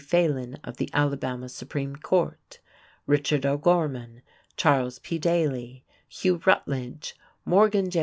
Phelan of the Alabama Supreme Court, Richard O'Gorman, Charles P. Daly, Hugh Rutledge, Morgan J.